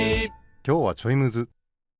きょうはちょいむず。